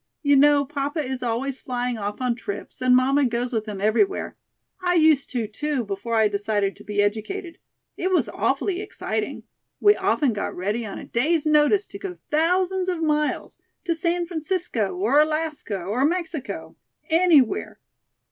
You know papa is always flying off on trips and mamma goes with him everywhere. I used to, too, before I decided to be educated. It was awfully exciting. We often got ready on a day's notice to go thousands of miles, to San Francisco or Alaska or Mexico, anywhere.